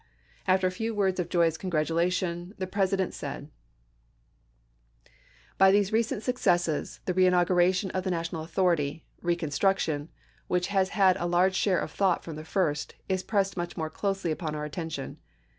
After a few words of joyous congratulation the President said: "By these recent successes the reinauguration of the National authority — reconstruction — which has had a large share of thought from the first, is pressed much more closely upon our attention.